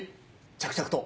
着々と。